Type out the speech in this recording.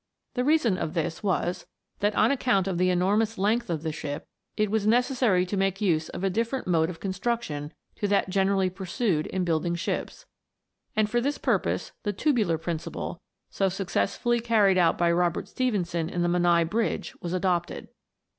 The reason of this was, that on account of the enormous length of the ship, it was necessary to make use of a different mode of construction to that generally pursued in building ships, and for this purpose the tubular principle, so successfully carried out by Robert Stephen son in the Menai Bridge, was adopted.